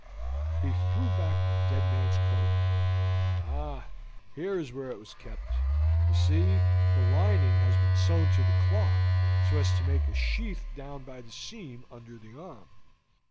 He threw back the dead man's coat. "Ah, here is where it was kept. You see, the lining has been sewn to the cloth, so as to make a sheath down by the seam under the arm.